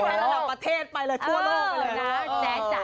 อย่าอยู่กันสำหรับประเทศไปเลยทั่วโลกไปเลยนะ